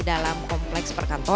adalah tempat kita berhenti